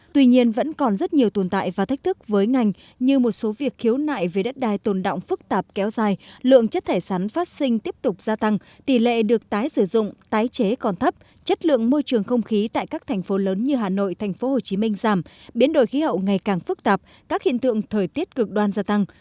tuy nhiên vẫn còn rất nhiều tồn tại và thách thức với ngành như một số việc khiếu nại về đất đai tồn động phức tạp kéo dài lượng chất thải sắn phát sinh tiếp tục gia tăng tỷ lệ được tái sử dụng tái chế còn thấp chất lượng môi trường không khí tại các thành phố lớn như hà nội tp hcm giảm biến đổi khí hậu ngày càng phức tạp các hiện tượng thời tiết cực đoan gia tăng